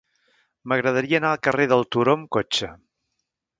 M'agradaria anar al carrer del Turó amb cotxe.